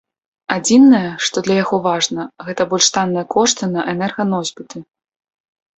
Адзінае, што для яго важна, гэта больш танныя кошты на энерганосьбіты.